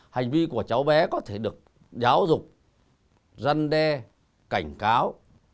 hành vi của cháu bé có thể được giáo dục răn đe cảnh cáo